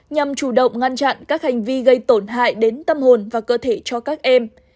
nhằm chủ động ngăn chặn các hành vi gây tổn hại đến tâm hồn và cơ thể cho các em